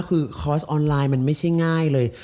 นี่คือคอร์สออนไลน์ไม่ง่ายเลย